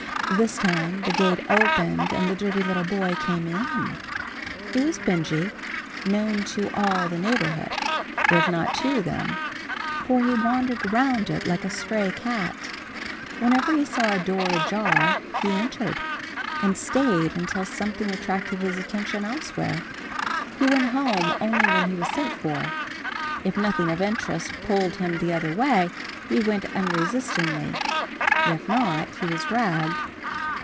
This time the gate opened and the dirty little boy came in. It was Benjy, known to all the neighborhood, if not to them, for he wandered around it like a stray cat. Wherever he saw a door ajar he entered, and stayed until something attracted his attention elsewhere. He went home only when he was sent for. If nothing of interest pulled him the other way he went unresistingly, if not he was dragged.